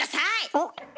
おっ！